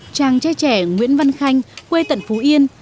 tràng trẻ trẻ nguyễn văn khanh quê tận phú yên